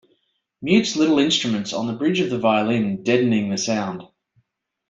Mutes little instruments on the bridge of the violin, deadening the sound.